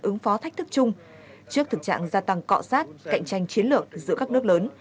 ứng phó thách thức chung trước thực trạng gia tăng cọ sát cạnh tranh chiến lược giữa các nước lớn